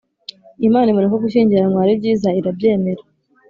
Imana ibona ko gushyingiranwa aribyiza irabyemera